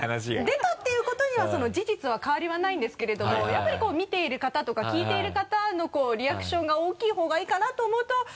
出たっていうことにはその事実は変わりはないんですけれどもやっぱりこう見ている方とか聞いている方のこうリアクションが大きい方がいいかなと思うと。